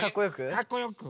かっこよく。